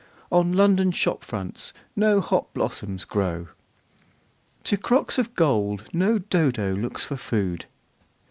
On London shop fronts no hop blossoms grow. To crocks of gold no Dodo looks for food.